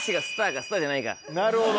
なるほど！